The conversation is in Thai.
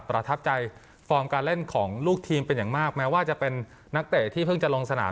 ประทับใจฟอร์มการเล่นของลูกทีมเป็นอย่างมากแม้ว่าจะเป็นนักเตะที่เพิ่งจะลงสนาม